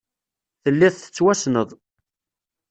Telliḍ tettwassneḍ.